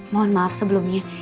mohon maaf sebelumnya